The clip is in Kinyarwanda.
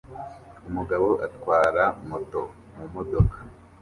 Umugabo atwara moto mumodoka